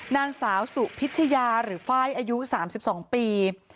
นางสาวสุพิชยาหรือไฟล์อายุ๓๒ปี